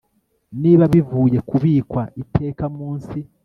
Niba bivuye kubikwa iteka munsi